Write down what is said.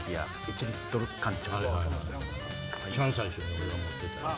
一番最初に俺が持ってたやつ。